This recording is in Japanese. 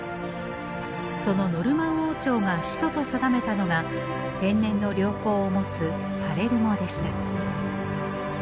そのノルマン王朝が首都と定めたのが天然の良港を持つパレルモでした。